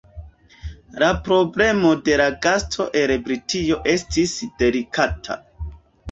La problemo de la gasto el Britio estis delikata.